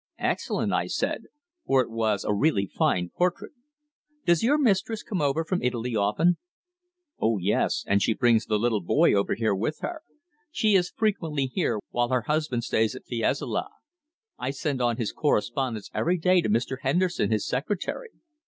"Excellent," I said, for it was a really fine portrait. "Does your mistress come over from Italy often?" "Oh, yes, and she brings the little boy over with her. She is frequently here, while her husband stays at Fiesole. I send on his correspondence every day to Mr. Henderson, his secretary."